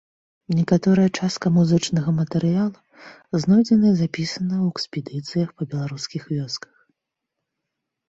Некаторая частка музычнага матэрыялу знойдзена і запісана ў экспедыцыях па беларускіх вёсках.